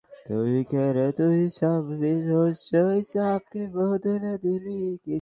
November থেকে অনুষ্ঠেয় প্রাথমিক শিক্ষা সমাপনী পরীক্ষাও ঝুঁকির মুখে পড়তে পারে।